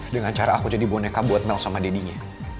dengan cara aku jadi boneka buat mel sama daddy nya